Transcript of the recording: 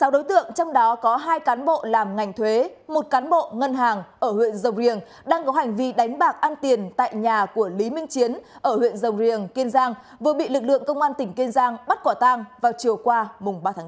sáu đối tượng trong đó có hai cán bộ làm ngành thuế một cán bộ ngân hàng ở huyện dầu riêng đang có hành vi đánh bạc ăn tiền tại nhà của lý minh chiến ở huyện dầu riêng kiên giang vừa bị lực lượng công an tỉnh kiên giang bắt quả tang vào chiều qua ba tháng bốn